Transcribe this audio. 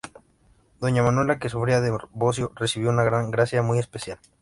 Doña Manuela, que sufría de bocio, recibió una gracia muy especial.